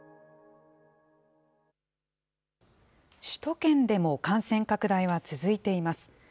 首都圏でも感染拡大は続いています。